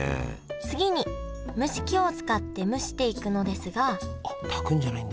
次に蒸し器を使って蒸していくのですがあ炊くんじゃないんだ？